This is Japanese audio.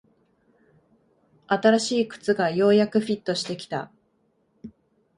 新しい靴がようやくフィットしてきた